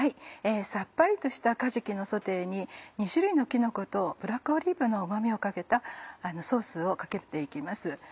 さっぱりとしたかじきのソテーに２種類のきのことブラックオリーブのうま味をかけたソースをかけて行きます